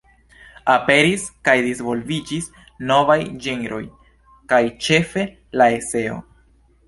Aperis kaj disvolviĝis novaj ĝenroj kaj ĉefe la eseo.